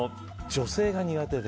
女性が苦手で。